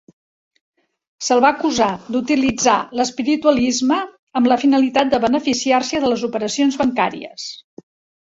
Se"l va acusar de utilitzar l"espiritualisme amb la finalitat de beneficiar-se de les operacions bancàries.